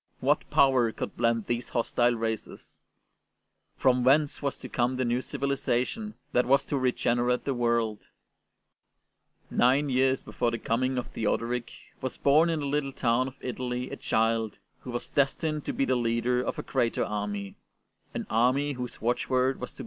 What power could blend these hostile races ? From whence was to come the new civilization that was to regenerate the world ? Nine years before the coming of Theodoric was born in a little town of Italy a child who was destined to be the leader of a greater army — an army whose watchword was to be Peace, ST.